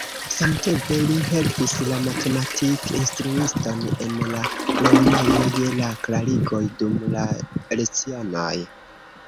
Samtempe li helpis la matematik-instruiston en la lernejo je la klarigoj dum la lecionoj.